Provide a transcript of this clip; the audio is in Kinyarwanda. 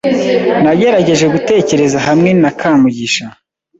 Nagerageje gutekereza hamwe na Kamugisha.